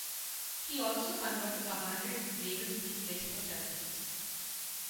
He also converted abandoned wagons into places of residence.